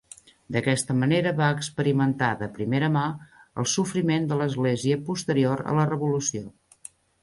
D'aquesta manera va experimentar de primera mà el sofriment de l'església posterior a la Revolució.